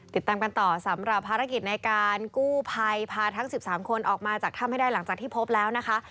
ติดตามกันต่อสำหรับภารกิจในการกู้ภัยพาทั้ง๑๓คนออกมาจากถ้ำให้ได้หลังจากที่พบแล้วนะคะ